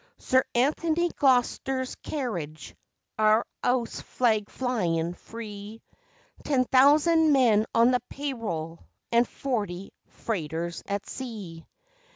Sir Anthony Gloster's carriage our 'ouse flag flyin' free Ten thousand men on the pay roll and forty freighters at sea!